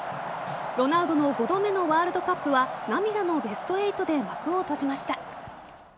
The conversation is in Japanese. ロナウドの５度目のワールドカップは涙のベスト８で幕を閉じました。